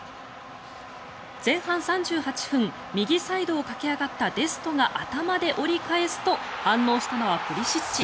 前半３８分右サイドを駆け上がったデストが頭で折り返すと反応したのはプリシッチ。